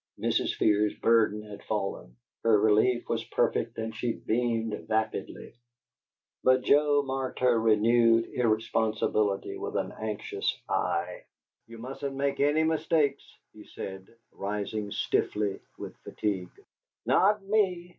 Mrs. Fear's burden had fallen; her relief was perfect and she beamed vapidly; but Joe marked her renewed irresponsibility with an anxious eye. "You mustn't make any mistakes," he said, rising stiffly with fatigue. "Not ME!